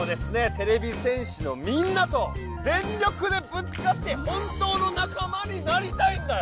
てれび戦士のみんなと全力でぶつかって本当の仲間になりたいんだよ。